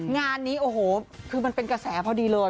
งานนี้โอ้โหคือมันเป็นกระแสพอดีเลย